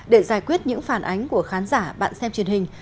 để giải quyết những phản ánh của khán giả bạn xem truyền hình